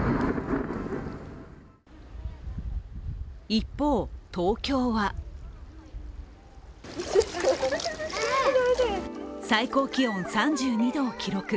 一方、東京は最高気温３２度を記録。